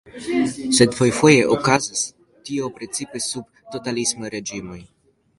Sed fojfoje okazas tio precipe sub totalismaj reĝimoj.